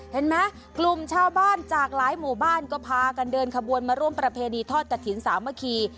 เห็นไหมกลุ่มชาวบ้านจากหลายหมู่บ้านก็พากันเดินขบวนมาร่วมประเพณีทอดกระถิ่นสามัคคี